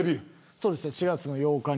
そうですね、４月８日に。